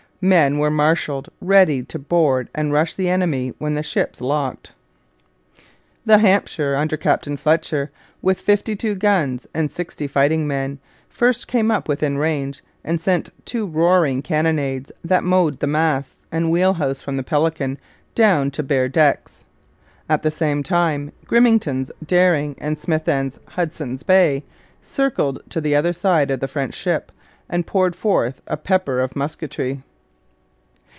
Men were marshalled ready to board and rush the enemy when the ships locked. The Hampshire, under Captain Fletcher, with fifty two guns and sixty fighting men, first came up within range and sent two roaring cannonades that mowed the masts and wheel house from the Pelican down to bare decks. At the same time Grimmington's Dering and Smithsend's Hudson's Bay circled to the other side of the French ship and poured forth a pepper of musketry.